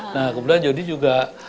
nah kemudian jody juga